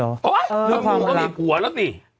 โอ๊ยเมื่อกี้มูเขาก็มีผัวแล้วสิ